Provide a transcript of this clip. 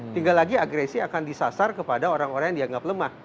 tinggal lagi agresi akan disasar kepada orang orang yang dianggap lemah